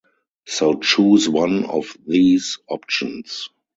So choose one of these options.